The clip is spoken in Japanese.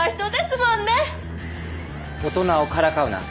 大人をからかうな。